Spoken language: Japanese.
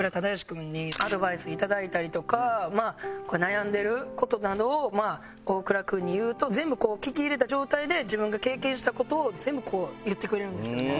君にアドバイスいただいたりとかまあ悩んでる事などを大倉君に言うと全部こう聞き入れた状態で自分が経験した事を全部言ってくれるんですよね。